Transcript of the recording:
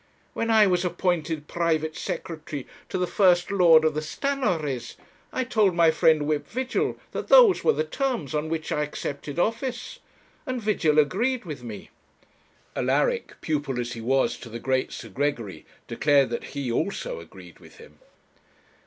When I was appointed private secretary to the First Lord of the Stannaries, I told my friend Whip Vigil that those were the terms on which I accepted office; and Vigil agreed with me.' Alaric, pupil as he was to the great Sir Gregory, declared that he also agreed with him.